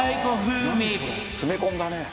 「詰め込んだね」